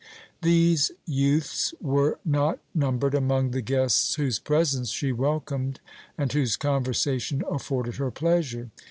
These youths were not numbered among the guests whose presence she welcomed and whose conversation afforded her pleasure.